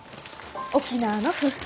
沖縄の麩。